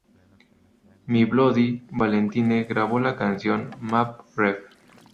My Bloody Valentine grabó la canción "Map Ref.